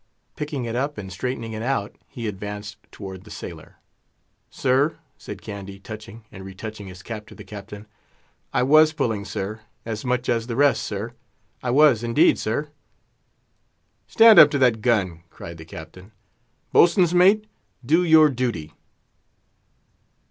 Picking it up, and straightening it out, he advanced toward the sailor. "Sir," said Candy, touching and retouching his cap to the Captain, "I was pulling, sir, as much as the rest, sir; I was, indeed, sir." "Stand up to that gun," cried the Captain. "Boatswain's mate, do your duty."